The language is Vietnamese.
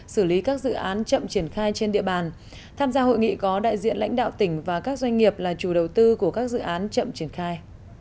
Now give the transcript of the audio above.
xử lý các dự án chậm triển khai trên địa bàn tham gia hội nghị có đại diện lãnh đạo tỉnh và các doanh nghiệp là chủ đầu tư của các dự án chậm triển khai